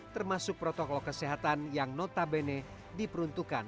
termasuk protokol kesehatan yang notabene diperuntukkan